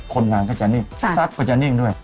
คนงานก็จะนิ่งซักก็จะนิ่งด้วย